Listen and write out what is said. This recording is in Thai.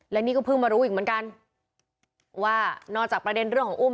และนี่ก็เพิ่งมารู้อีกเหมือนกันว่านอกจากประเด็นเรื่องของอุ้ม